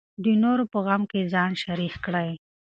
د نورو په غم کې ځان شریک کړئ.